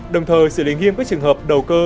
đồng thời xử lý nghiêm các trường hợp đầu cơ